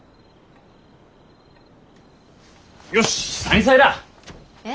よし！